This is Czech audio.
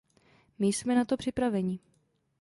My jsme na to připraveni.